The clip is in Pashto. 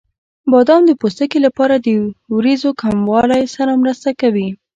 بادام د پوستکي لپاره د وریځو کموالي سره مرسته کوي.